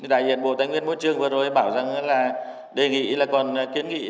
đại diện bộ tài nguyên môi trường vừa rồi bảo rằng là đề nghị là còn kiến nghị